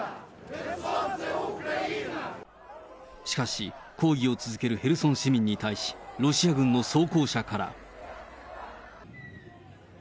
しかし抗議を続けるヘルソン市民に対し、ロシア軍の装甲車から。